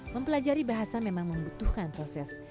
mempelajari bahasa memang membutuhkan proses